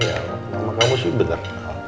ya nama kamu sih benar